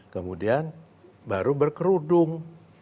kemudian baru berkerudung